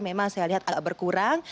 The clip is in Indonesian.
memang saya lihat agak berkurang